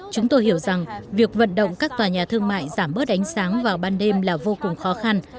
chúng tôi hiểu rằng việc vận động các tòa nhà thương mại giảm bớt ánh sáng vào ban đêm là vô cùng khó khăn